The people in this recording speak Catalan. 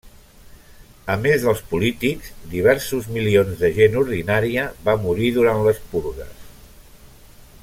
A més dels polítics, diversos milions de gent ordinària va morir durant les Purgues.